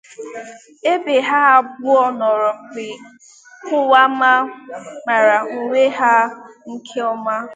ebe ha abụọ nọrọ wee kọwaa ma mara onwe ha nke ọma.